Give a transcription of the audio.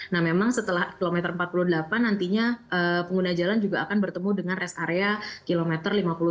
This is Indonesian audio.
nah memang setelah kilometer empat puluh delapan nantinya pengguna jalan juga akan bertemu dengan rest area kilometer lima puluh tujuh